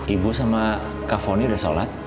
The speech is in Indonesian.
ibu sama kak foni udah sholat